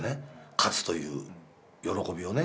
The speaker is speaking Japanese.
勝つという喜びをね